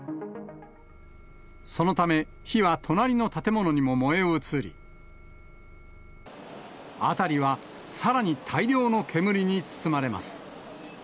そのため、火は隣の建物にも燃え移り、辺りはさらに大量の煙に包まれます。